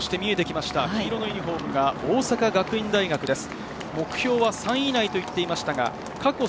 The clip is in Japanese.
見えてきた黄色のユニホームが大阪学院大学です。